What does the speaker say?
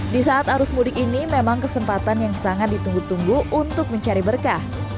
di saat arus mudik ini memang kesempatan yang sangat ditunggu tunggu untuk mencari berkah